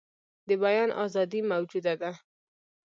د بیان آزادي موجوده ده.